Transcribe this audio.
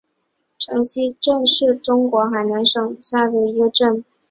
城西镇是中国海南省海口市龙华区下辖的一个镇。